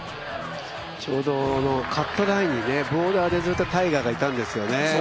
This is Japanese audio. ちょうどカットラインにボーダーでタイガーがずっといたんですよね。